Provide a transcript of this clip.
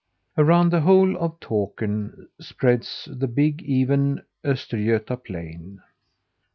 Around the whole of Takern spreads the big, even Östergöta plain.